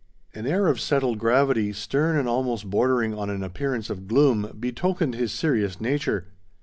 An air of settled gravity, stern and almost bordering on an appearance of gloom, betokened his serious nature.